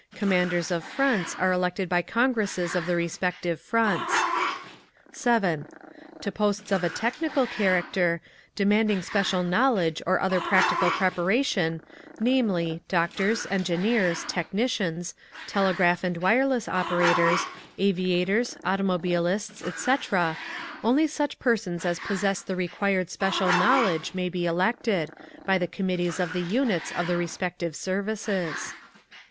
Commanders of Fronts are elected by congresses of the respective Fronts. 7. To posts of a technical character, demanding special knowledge or other practical preparation, namely: doctors, engineers, technicians, telegraph and wireless operators, aviators, automobilists, etc., only such persons as possess the required special knowledge may be elected, by the Committees of the units of the respective services.